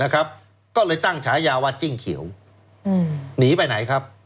ก็เลยตั้งฉายาว่าจิ้งเขียวหนีไปไหนครับ